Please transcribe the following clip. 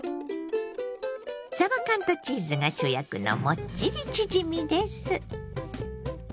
さば缶とチーズが主役のもっちりチヂミです。